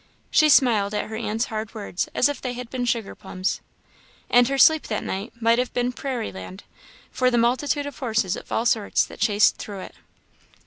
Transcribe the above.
She smiled at her aunt's hard words as if they had been sugar plums. And her sleep that night might have been prairie land, for the multitude of horses of all sorts that chased through it.